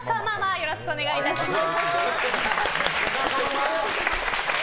よろしくお願いします。